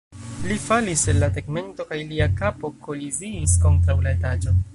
Li falis el la tegmento kaj lia kapo koliziis kontraŭ la etaĝo.